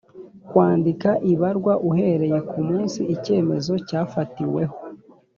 kwandika ibarwa uhereye ku munsi icyemezo cyafatiweho